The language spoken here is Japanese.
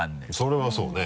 それはそうね。